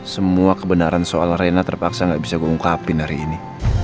semua kebenaran soal rena terpaksa gak bisa gue ungkapin hari ini